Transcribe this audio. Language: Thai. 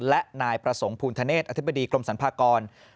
และนายประสงค์ภูณธเนศอธิบดีกรมสรรพากร